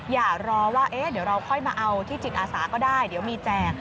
อย่ารอว่าเดี๋ยวเราค่อยมาเอาที่จิตอาสาก็ได้เดี๋ยวมีแจก